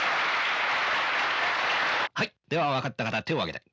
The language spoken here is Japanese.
はいでは分かった方手を挙げて。